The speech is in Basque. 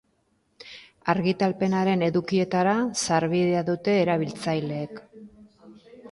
Argitalpenaren edukietara sarbidea dute erabiltzaileek.